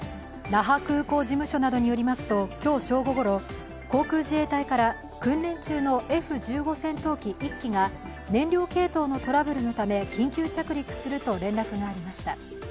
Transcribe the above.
那覇空港事務所などによりますと、今日正午ごろ、航空自衛隊から訓練中のＦ１５戦闘機１機が燃料系統のトラブルのため緊急着陸すると連絡がありました。